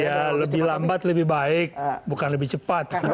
ya lebih lambat lebih baik bukan lebih cepat